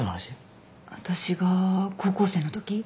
わたしが高校生のとき。